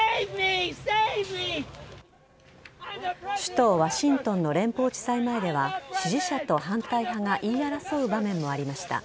首都・ワシントンの連邦地裁前では支持者と反対派が言い争う場面もありました。